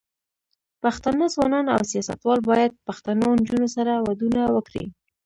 پښتانه ځوانان او سياستوال بايد پښتنو نجونو سره ودونه وکړي.